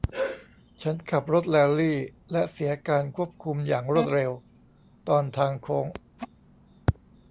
ฉันขับรถแรลลี่ และเสียการควบคุมอย่างรวดเร็วตอนทางโค้ง